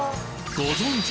ご存じ